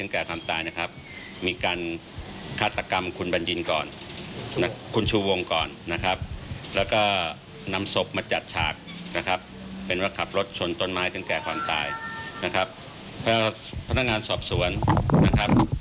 แก่ความตายนะครับเพราะพนักงานสอบสวนนะครับ